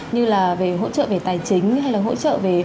như là hỗ trợ về tài chính hay là hỗ trợ